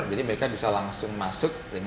jadi mereka bisa langsung masuk